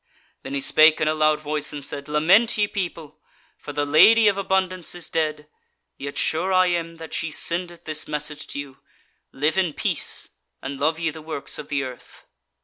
Then he spake in a loud voice and said: "Lament, ye people! for the Lady of Abundance is dead; yet sure I am that she sendeth this message to you, Live in peace, and love ye the works of the earth."